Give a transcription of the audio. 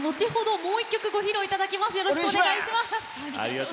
もう１曲ご披露いただきます。